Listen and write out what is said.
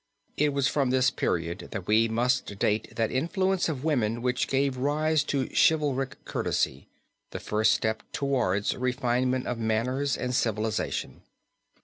It was from this period that we must date that influence of woman which gave rise to chivalric courtesy, the first step towards refinement of manners and civilization.